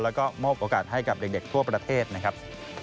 แล้วก็มอบโอกาสให้กับเด็กทั่วประเทศนะครับ